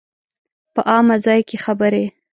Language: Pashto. په عامه ځای کې خبرې